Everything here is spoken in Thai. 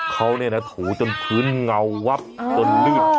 เขาเนี่ยนะถูจนพื้นเงาวับจนลื่น